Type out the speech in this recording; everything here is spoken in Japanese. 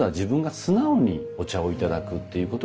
素直に。